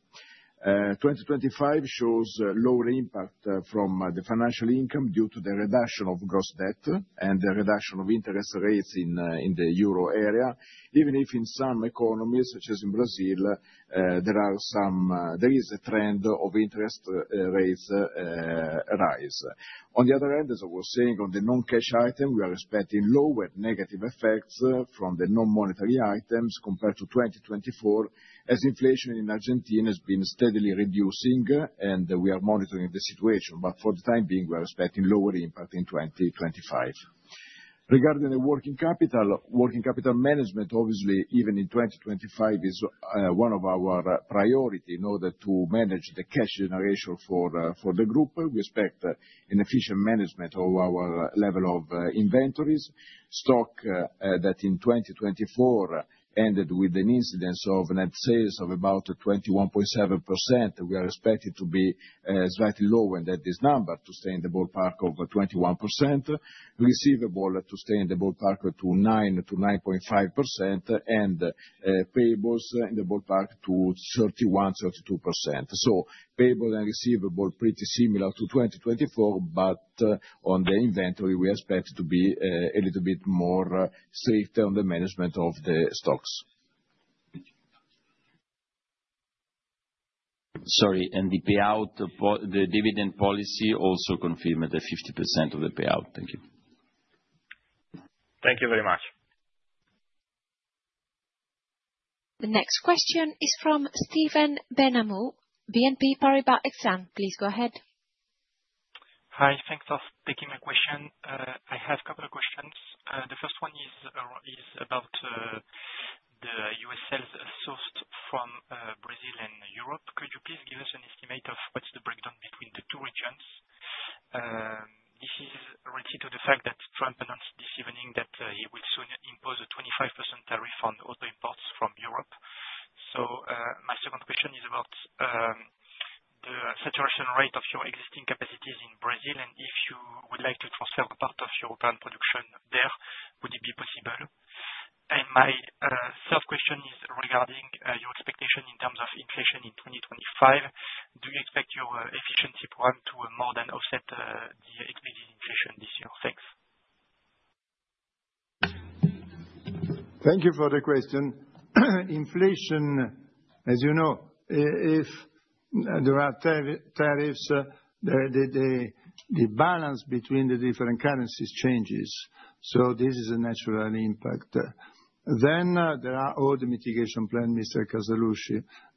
2025 shows lower impact from the financial income due to the reduction of gross debt and the reduction of interest rates in the euro area, even if in some economies, such as in Brazil, there is a trend of interest rates rising. On the other hand, as I was saying, on the non-cash items, we are expecting lower negative effects from the non-monetary items compared to 2024, as inflation in Argentina has been steadily reducing, and we are monitoring the situation. But for the time being, we are expecting lower impact in 2025. Regarding the working capital, working capital management, obviously, even in 2025, is one of our priorities in order to manage the cash generation for the group. We expect an efficient management of our level of inventories. Stock that in 2024 ended with an incidence of net sales of about 21.7%, we are expected to be slightly lower than this number to stay in the ballpark of 21%, receivable to stay in the ballpark of 9%-9.5%, and payables in the ballpark of 31%, 32%. Payable and receivable pretty similar to 2024, but on the inventory, we expect to be a little bit more strict on the management of the stocks. Sorry. And the payout, the dividend policy also confirmed the 50% of the payout. Thank you. Thank you very much. The next question is from Stephen Benhamou, BNP Paribas Exane. Please go ahead. Hi. Thanks for taking my question. I have a couple of questions. The first one is about the U.S. sales sourced from Brazil and Europe. Could you please give us an estimate of what's the breakdown between the two regions? This is related to the fact that Trump announced this evening that he will soon impose a 25% tariff on auto imports from Europe. So my second question is about the saturation rate of your existing capacities in Brazil, and if you would like to transfer part of your current production there, would it be possible? And my third question is regarding your expectation in terms of inflation in 2025. Do you expect your efficiency plan to more than offset the expected inflation this year? Thanks. Thank you for the question. Inflation, as you know, if there are tariffs, the balance between the different currencies changes. So this is a natural impact. Then there are all the mitigation plans, Mr.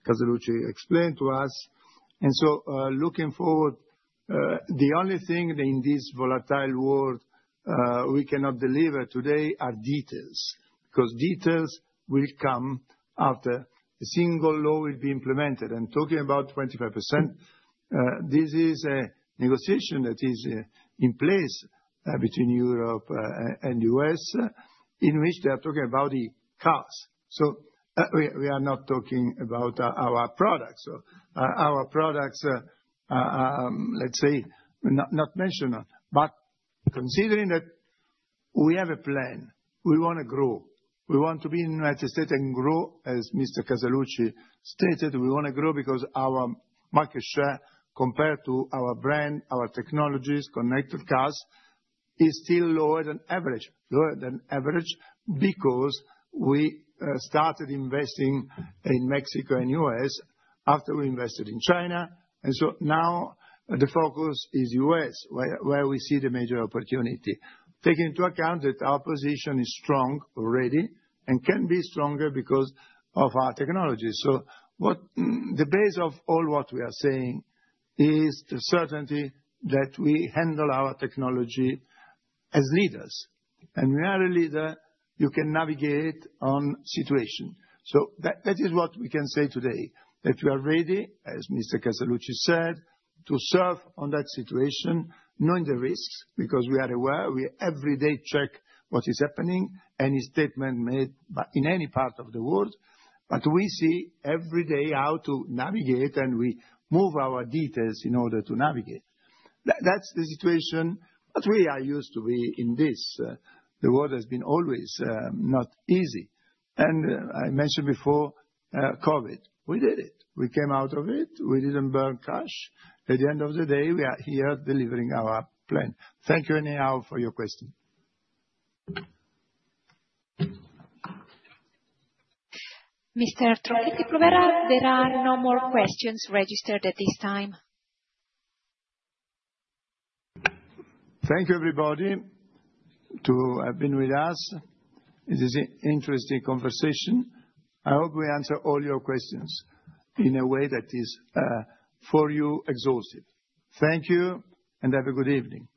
Casaluci explained to us. And so looking forward, the only thing in this volatile world we cannot deliver today are details, because details will come after a single law will be implemented. And talking about 25%, this is a negotiation that is in place between Europe and the U.S., in which they are talking about the cars. So we are not talking about our products. So our products, let's say, not mentioned. But considering that we have a plan, we want to grow. We want to be in the United States and grow, as Mr. Casaluci stated. We want to grow because our market share compared to our brand, our technologies, connected cars, is still lower than average, lower than average, because we started investing in Mexico and the U.S. after we invested in China, and so now the focus is the U.S., where we see the major opportunity. Taking into account that our position is strong already and can be stronger because of our technology, so the base of all what we are saying is the certainty that we handle our technology as leaders, and when you are a leader, you can navigate on situation, so that is what we can say today, that we are ready, as Mr. Casaluci said, to serve on that situation, knowing the risks, because we are aware. We every day check what is happening, any statement made in any part of the world. But we see every day how to navigate, and we move our details in order to navigate. That's the situation. But we are used to be in this. The world has been always not easy. And I mentioned before, COVID. We did it. We came out of it. We didn't burn cash. At the end of the day, we are here delivering our plan. Thank you anyhow for your question. Mr. Tronchetti Provera, there are no more questions registered at this time. Thank you, everybody, to have been with us. It is an interesting conversation. I hope we answered all your questions in a way that is, for you, exhaustive. Thank you, and have a good evening.